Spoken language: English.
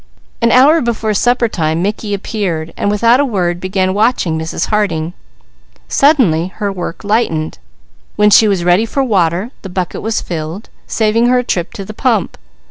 An hour before supper time Mickey appeared and without a word began watching Mrs. Harding. Suddenly her work lightened. When she was ready for water, the bucket was filled, saving her a trip to the pump.